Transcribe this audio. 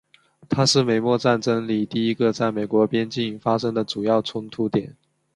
它是美墨战争里第一个在美国边境发生的主要冲突点。